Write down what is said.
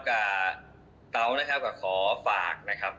ครับกะเต้านะครับกะขอฝากนะครับ